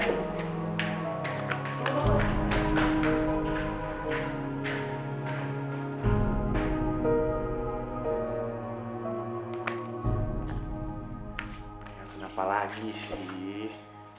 kenapa lagi sih